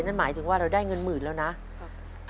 นั่นหมายถึงว่าเราได้เงินหมื่นแล้วนะครับ